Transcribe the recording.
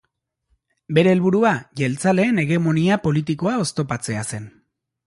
Bere helburua jeltzaleen hegemonia politikoa oztopatzea zen.